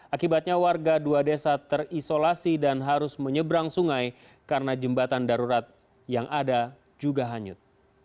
akibatnya warga dua desa terisolasi dan harus menyeberang sungai karena jembatan darurat yang ada juga hanyut